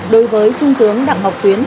đối với trung tướng đặng mọc tuyến